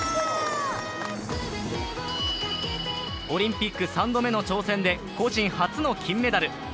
オリンピック３度目の挑戦で個人初の金メダル。